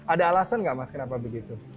ada alasan nggak mas kenapa begitu